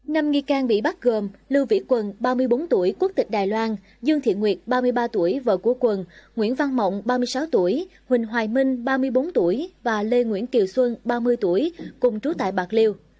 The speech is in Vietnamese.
năm nghi can bị bắt gồm lưu vĩ quần ba mươi bốn tuổi quốc tịch đài loan dương thị nguyệt ba mươi ba tuổi vợ của quần nguyễn văn mộng ba mươi sáu tuổi huỳnh hoài minh ba mươi bốn tuổi và lê nguyễn kiều xuân ba mươi tuổi cùng trú tại bạc liêu